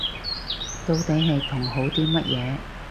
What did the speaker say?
到底係同好啲乜嘢